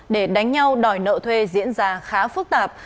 để đánh nhau đòi nợ thuê diễn ra khá phức tạp